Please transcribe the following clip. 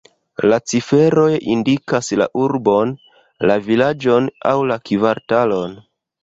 La ciferoj indikas la urbon, la vilaĝon aŭ la kvartalon.